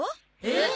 えっ！？